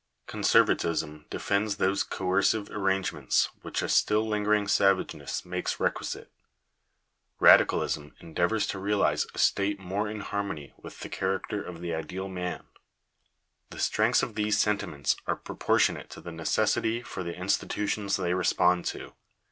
Conservatism defends those coercive arrangements which a still lingering savageness makes requisite. Radicalism endeavours to realize a state more in harmony with the character of the ideal man. The strengths of these sentiments are proportionate to the necessity for the institutions they respond to.